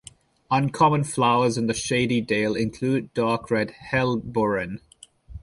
Uncommon flowers in the shady dale include dark red helleborine.